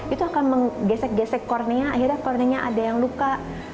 itu akan menggesek gesek kornea akhirnya kornenya ada yang luka